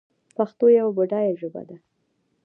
پښتو یوه بډایه ژبه ده.